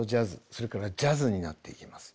それからジャズになっていきます。